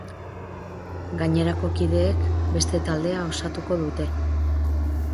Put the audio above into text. Gainerako kideek, beste taldea osatuko dute.